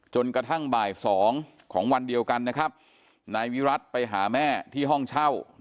จนกระทั่งบ่าย๒ของวันเดียวกันนะครับนายวิรัติไปหาแม่ที่ห้องเช่า